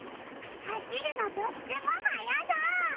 はしるのとってもはやそう！